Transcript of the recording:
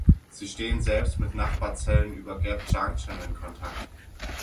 Sie stehen selbst mit Nachbarzellen über Gap-Junction in Kontakt.